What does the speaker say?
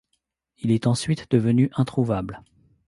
Il est ensuite devenu introuvable.